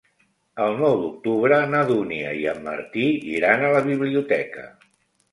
El nou d'octubre na Dúnia i en Martí iran a la biblioteca.